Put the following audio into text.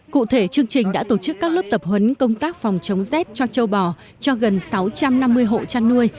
cụ thể chương trình đã tổ chức các lớp tập huấn công tác phòng chống rét cho châu bò cho gần sáu trăm năm mươi hộ chăn nuôi